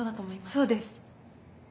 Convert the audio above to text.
そうです。